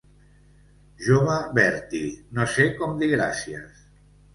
Jove, Bertie, no sé com dir gràcies.